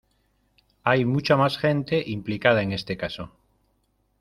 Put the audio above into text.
Hay mucha más gente implicada en este caso.